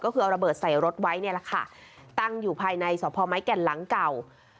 ก็คือเอาระเบิดใส่รถไว้เนี่ยแหละค่ะตั้งอยู่ภายในสพไม้แก่นหลังเก่า